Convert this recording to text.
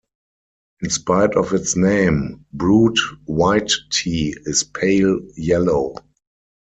In spite of its name, brewed white tea is pale yellow.